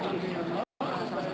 di tuan ibu ani